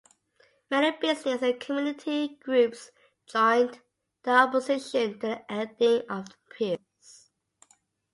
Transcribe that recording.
Many business and community groups joined the opposition to the ending of appeals.